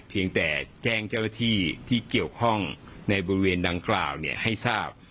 เพียงแต่แจ้งเจ้าหน้าที่ที่เกี่ยวข้องในบริเวณดังกล่าวให้ทราบ